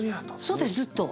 そうですずっと。